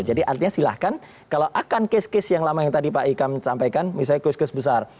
jadi artinya silahkan kalau akan kes kes yang lama yang tadi pak ika menyampaikan misalnya kes kes besar